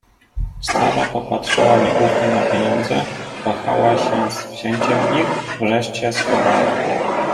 "Stara popatrzyła nieufnie na pieniądze, wahała się z wzięciem ich, wreszcie schowała."